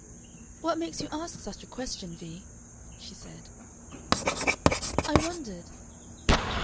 "What makes you ask such a question, Vee?" she said. "I wondered."